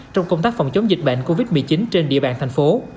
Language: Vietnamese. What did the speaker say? trong công tác phòng chống dịch bệnh covid một mươi chín trên địa bàn thành phố